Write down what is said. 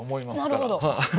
なるほど！